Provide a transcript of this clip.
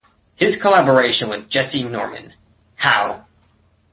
His collaboration with Jessye Norman, How!